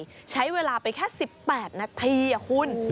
ก็ทำเวลาไปแค่๑๘นาทีอ่ะคุณ